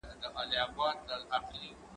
زه اجازه لرم چي کښېناستل وکړم،